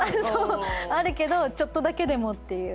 あるけどちょっとだけでもっていう。